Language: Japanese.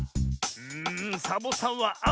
んサボさんはあお！